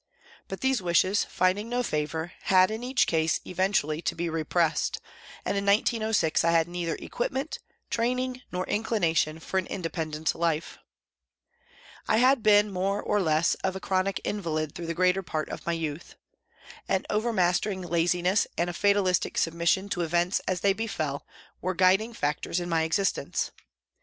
But these wishes, finding no favour, had in each case eventually to be repressed, and in 1906 I had neither equipment, training nor inclination for an indepen dent life. I had been more or less of a chronic invalid through p. B 2 PRISONS AND PRISONERS the greater part of my youth. An overmastering laziness and a fatalistic submission to events as they befell were guiding factors in my existence.